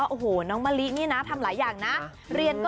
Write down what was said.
แล้วคุณแม่ลูกนี้เขาน่ารักมากคุณผู้สูงค่ะ